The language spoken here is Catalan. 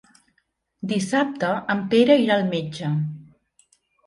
Dissabte en Pere irà al metge.